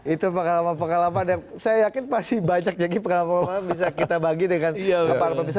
itu pengalaman pengalaman yang saya yakin masih banyak lagi pengalaman pengalaman bisa kita bagi dengan pak alam bisa